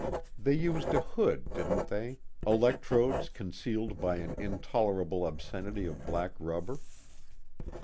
They used a hood, didn't they, electrodes concealed by an intolerable obscenity of black rubber?